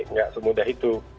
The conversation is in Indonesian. nggak semudah itu